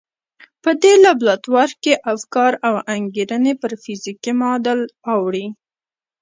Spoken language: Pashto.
په دې لابراتوار کې افکار او انګېرنې پر فزيکي معادل اوړي.